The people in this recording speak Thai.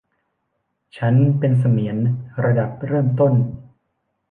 ฉันเป็นเสมียนระดับเริ่มต้น